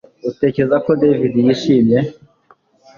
Utekereza ko David yishimye